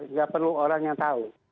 nggak perlu orang yang tahu